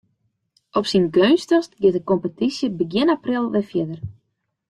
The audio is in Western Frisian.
Op syn geunstichst giet de kompetysje begjin april wer fierder.